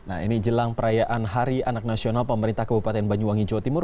nah ini jelang perayaan hari anak nasional pemerintah kabupaten banyuwangi jawa timur